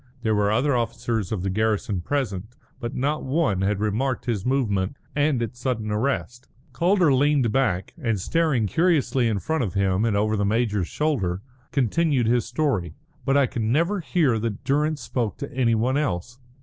There were other officers of the garrison present, but not one had remarked his movement and its sudden arrest. Calder leaned back, and staring curiously in front of him and over the major's shoulder, continued his story. "But I could never hear that Durrance spoke to any one else.